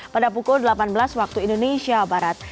pada pukul delapan belas waktu indonesia barat